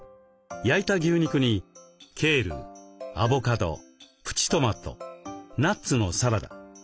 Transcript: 焼いた牛肉にケールアボカドプチトマトナッツのサラダ。